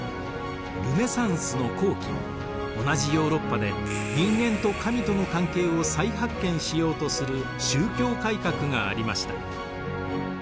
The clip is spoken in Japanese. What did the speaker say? ルネサンスの後期同じヨーロッパで人間と神との関係を再発見しようとする宗教改革がありました。